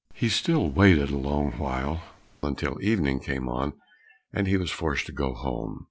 He still waited a long while until evening came on and he was forced to go home.